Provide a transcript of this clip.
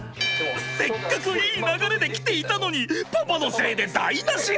せっかくいい流れで来ていたのにパパのせいで台なしに！